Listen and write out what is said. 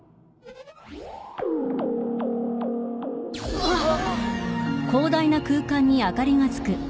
うわっ。